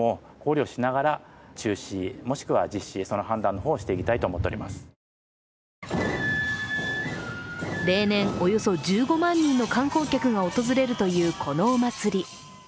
しかし、やはり気になるのが例年、およそ１５万人の観光客が訪れるという、このお祭り。